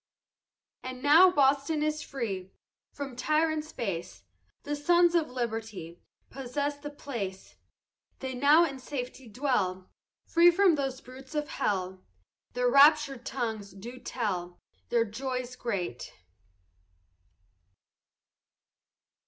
And now Boston is free From tyrants base, The sons of liberty Possess the place; They now in safety dwell. Free from those brutes of hell, Their raptur'd tongues do tell Their joys great.